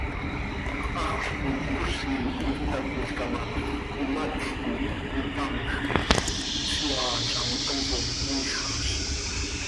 Haxöl coi icozim iti itácmolca ma, imatj quih cöitamjc ma, tseaalam hanso yiixaz.